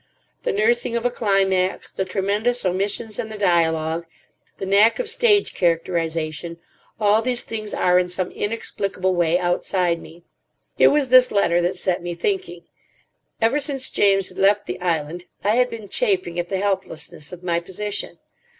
The nursing of a climax, the tremendous omissions in the dialogue, the knack of stage characterisation—all these things are, in some inexplicable way, outside me." It was this letter that set me thinking. Ever since James had left the island, I had been chafing at the helplessness of my position.